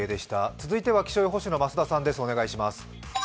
続いては気象予報士の増田さんです。